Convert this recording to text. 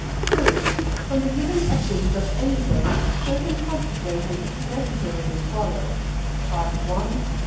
Proof. From the given essence of any thing certain consequences necessarily follow (I.